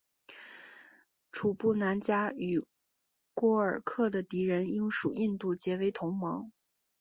楚布南嘉与廓尔喀的敌人英属印度结为同盟。